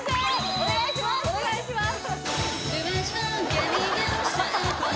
・お願いします